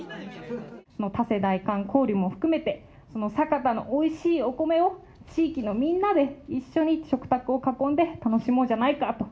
多世代間交流も含めて酒田のおいしいお米を地域のみんなで一緒に食卓を囲んで楽しもうじゃないかと。